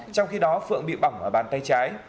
trong khi đó phượng bị bỏng ở bàn tay trái